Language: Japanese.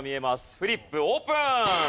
フリップオープン！